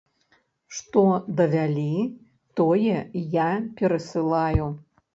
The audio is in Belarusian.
Што давялі, тое я перасылаю.